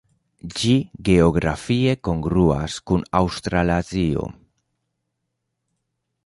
Ĝi geografie kongruas kun Aŭstralazio.